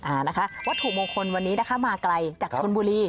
อ่านะคะวัตถุมงคลวันนี้นะคะมาไกลจากชนบุรี